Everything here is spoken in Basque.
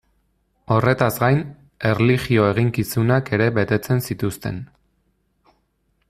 Horretaz gain, erlijio eginkizunak ere betetzen zituzten.